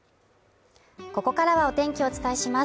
ここからはお天気をお伝えします。